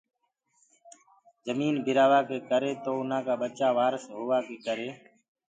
تو جميٚن بِرآ وآ ڪي ڪري اُنآ ڪآ ٻچآ وارس هووا ڪي ڪري